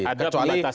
ada penyelidikan hak